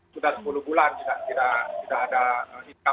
sudah sepuluh bulan kita sudah